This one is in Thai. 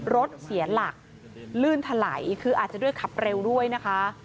รถเสียหลักลื่นถลายคืออาจจะด้วยขับเร็วด้วยนะคะ